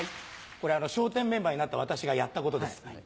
これ笑点メンバーになった私がやったことです。